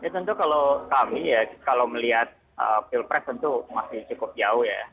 ya tentu kalau kami ya kalau melihat pilpres tentu masih cukup jauh ya